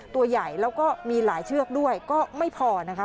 ตัวใหญ่แล้วก็มีหลายเชือกด้วยก็ไม่พอนะคะ